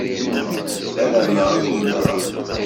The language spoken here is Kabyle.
Ssarameɣ ad ken-ẓreɣ.